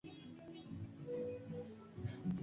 Waturuki wote Wako tayari kukataa hata ofa nzuri